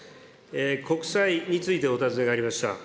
国債についてお尋ねがありました。